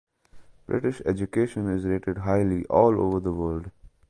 British education is rated highly all over the world.